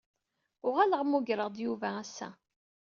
Uɣaleɣ muggreɣ-d Yuba ass-a.